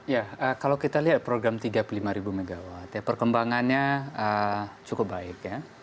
ya kalau kita lihat program tiga puluh lima ribu megawatt ya perkembangannya cukup baik ya